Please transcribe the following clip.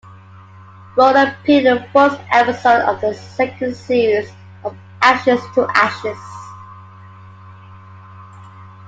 Roland appeared in the fourth episode of the second series of Ashes to Ashes.